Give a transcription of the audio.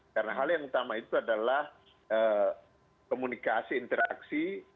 karena hal yang utama itu adalah komunikasi interaksi secara langsung